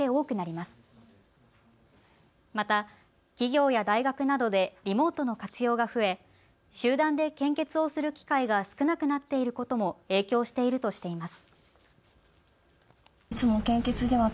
また企業や大学などでリモートの活用が増え集団で献血をする機会が少なくなっていることも影響しているとしています。